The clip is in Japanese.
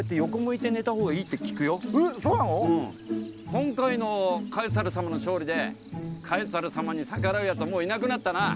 今回のカエサル様の勝利でカエサル様に逆らうやつはもういなくなったな。